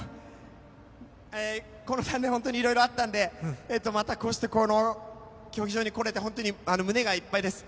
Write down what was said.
この３年、本当にいろいろあったんでまたこうして、この競技場に来られて本当に胸がいっぱいです。